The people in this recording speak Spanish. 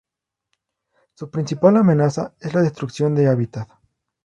Su principal amenaza es la destrucción de hábitat.